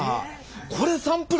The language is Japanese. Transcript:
これサンプル？